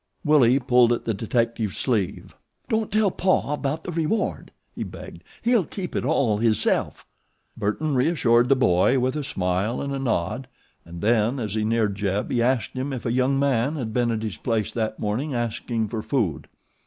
Willie pulled at the detective's sleeve. "Don't tell Paw about the reward," he begged; "he'll keep it all hisself." Burton reassured the boy with a smile and a nod, and then as he neared Jeb he asked him if a young man had been at his place that morning asking for food.